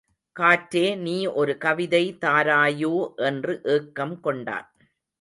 காற்றே நீ ஒரு கவிதை தாராயோ என்று ஏக்கம் கொண்டான்.